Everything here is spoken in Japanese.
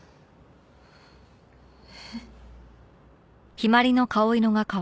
えっ？